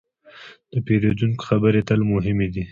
د پیرودونکي خبرې تل مهمې دي.